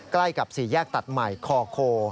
ใกล้กับศีรแยกตัดไหมคโค